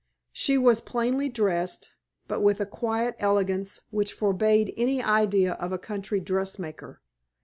She was plainly dressed, but with a quiet elegance which forbade any idea of a country dressmaker.